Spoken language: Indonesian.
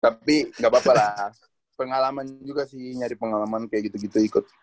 tapi gapapa lah pengalaman juga sih nyari pengalaman kayak gitu gitu ikut